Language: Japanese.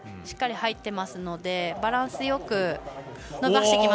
しっかり入っていますのでバランスよく。